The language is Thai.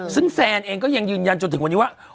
ซึ่งแซนเองก็ยังยืนยันจนถึงวันนี้ว่า